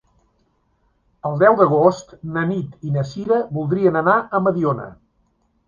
El deu d'agost na Nit i na Sira voldrien anar a Mediona.